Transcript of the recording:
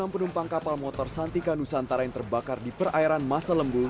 lima puluh enam penumpang kapal motor santika nusantara yang terbakar di perairan masa lembul